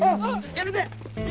やめて！